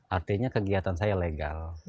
artinya kegiatan saya legal